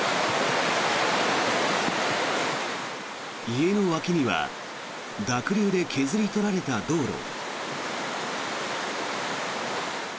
家の脇には濁流で削り取られた道路。